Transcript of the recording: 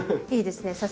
いいですね